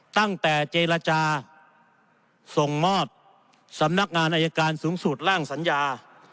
ตั้งแต่เจรจาส่งมอบสำนักงานอายการสูงสุดร่างสัญญา